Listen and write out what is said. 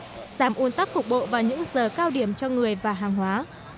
giảm ôn tắc cục bộ và những giờ cao điểm cho người và hàng hóa